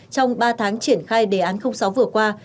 trong ba tháng triển khai đề án sáu vừa qua